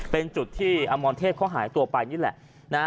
เป็นจุดที่อมรเทพเขาหายตัวไปนี่แหละ